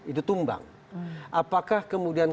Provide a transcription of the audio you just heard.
itu tumbang apakah kemudian